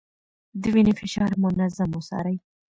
د وينې فشار منظم وڅارئ.